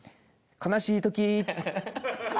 悲しい時。